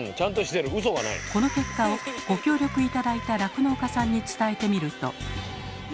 この結果をご協力頂いた酪農家さんに伝えてみると。